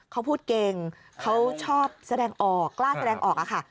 เขาพูดเก่งเขาชอบแสดงออกกล้าแสดงออกอะค่ะ